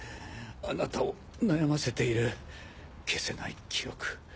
あなたを悩ませている消せない記憶。